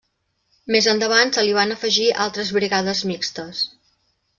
Més endavant se li van afegir altres brigades mixtes.